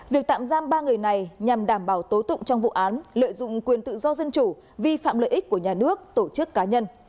việc tạm giam ba người này nhằm đảm bảo tố tụng trong vụ án lợi dụng quyền tự do dân chủ vi phạm lợi ích của nhà nước tổ chức cá nhân